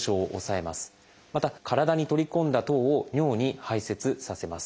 また体に取り込んだ糖を尿に排せつさせます。